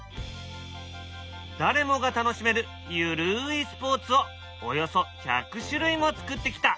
誰もが楽しめるゆるいスポーツをおよそ１００種類も作ってきた。